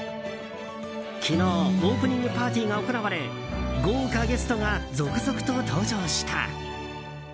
昨日、オープニングパーティーが行われ豪華ゲストが続々と登場した。